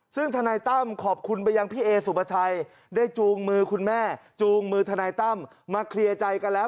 ซึ่งทนายตั้มขอบคุณไปยังพี่เอสุปชัยได้จูงมือคุณแม่จูงมือทนายตั้มมาเคลียร์ใจกันแล้ว